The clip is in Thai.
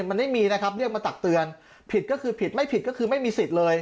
มันไม่มีนะครับเรียกมาตักเตือนผิดก็คือผิดไม่ผิดก็คือไม่มีสิทธิ์เลย